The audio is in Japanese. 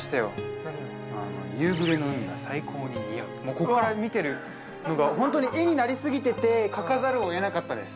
こっから見てるのがホントに絵になりすぎてて書かざるをえなかったです